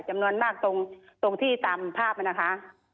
จำนวนมากตรงตรงที่ตามภาพนั้นนะคะอ่า